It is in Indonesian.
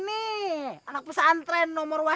nah itu dia itu gubuk